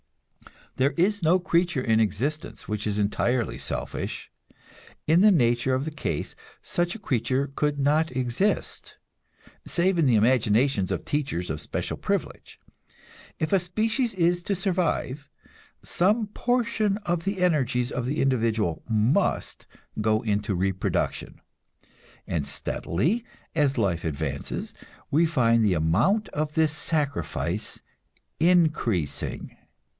There is no creature in existence which is entirely selfish; in the nature of the case such a creature could not exist save in the imaginations of teachers of special privilege. If a species is to survive, some portion of the energies of the individual must go into reproduction; and steadily, as life advances, we find the amount of this sacrifice increasing.